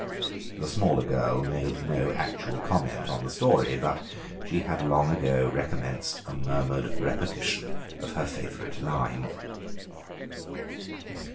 The smaller girl made no actual comment on the story, but she had long ago recommenced a murmured repetition of her favourite line.